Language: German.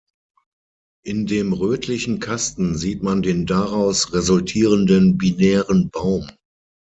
In dem rötlichen Kasten sieht man den daraus resultierenden binären Baum.